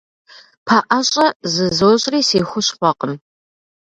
Пэӏэщӏэ зызощӏри – си хущхъуэкъым.